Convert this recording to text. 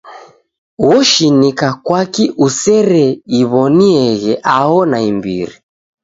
Oshinika kwaki usereiw'onieghe aho naimbiri.